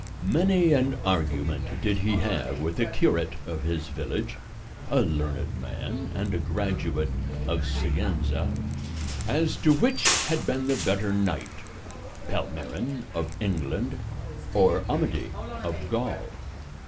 Many an argument did he have with the curate of his village (a learned man, and a graduate of Siguenza) as to which had been the better knight, Palmerin of England or Amadis of Gaul.